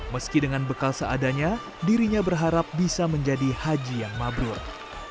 meski dengan bekal seadanya dirinya berharap bisa menjadi haji yang mabrur